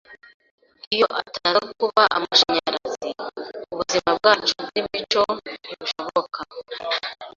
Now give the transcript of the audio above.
Iyo itaza kuba amashanyarazi, ubuzima bwacu bwimico ntibushoboka.